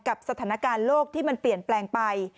กับสถานการณ์โลกที่มันเปลี่ยนแปลงไป